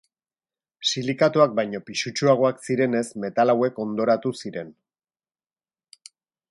Silikatoak baino pisutsuagoak zirenez, metal hauek hondoratu ziren.